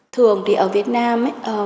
thường thì ở việt nam